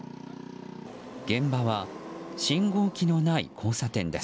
現場は信号機のない交差点です。